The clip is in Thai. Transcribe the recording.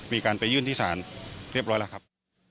มีการไปยื่นที่ศาลเรียบร้อยแล้วครับ